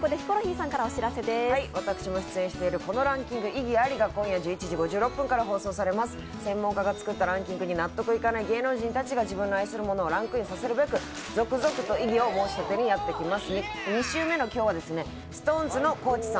専門家が作ったランキングに納得いかない芸能人たちが、専門家が作ったランキングに納得いかない芸能人が自分の愛するものをランクインさせるべく続々と異議を申し立てにやってきます。